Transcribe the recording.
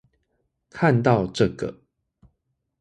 看到這個